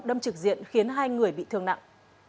đâm trực diện khiến hai người bị thương nặng